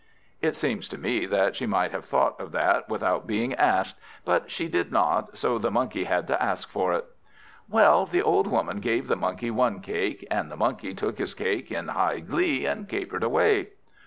It seems to me that she might have thought of that without being asked; but she did not, so the Monkey had to ask for it. Well, the old Woman gave the Monkey one cake, and the Monkey took his cake in high glee, and capered away.